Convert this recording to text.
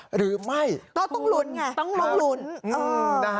หรือไม่ก็ต้องลุ้นไงต้องลุ้น